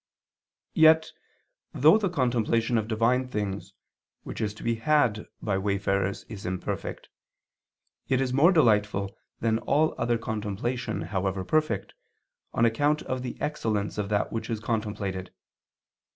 Yet, though the contemplation of Divine things which is to be had by wayfarers is imperfect, it is more delightful than all other contemplation however perfect, on account of the excellence of that which is contemplated.